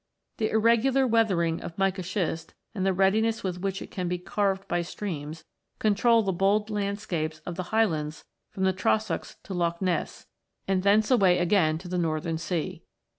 The irregular weathering of mica schist, and the readiness with which it can be carved by streams, control the bold landscapes of the highlands from the Trossachs to Lough Ness, and thence away c. 11 162 ROCKS AND THEIR ORIGINS again to the northern sea.